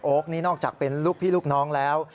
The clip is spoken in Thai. นี่นอกจากเป็นลูกพี่ลูกน้องแล้ว